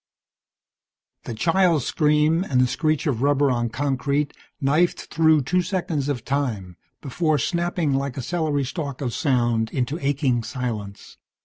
The child's scream and the screech of rubber on concrete knifed through two seconds of time before snapping, like a celery stalk of sound, into aching silence.